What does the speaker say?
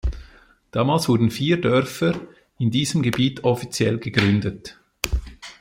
Damals wurden vier Dörfer in diesem Gebiet offiziell gegründet.